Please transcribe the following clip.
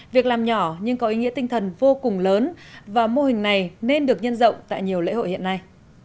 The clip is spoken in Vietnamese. việc làm nhỏ nhưng có ý nghĩa tinh thần vô cùng lớn và mô hình này nên được nhân rộng tại nhiều lễ hội hiện nay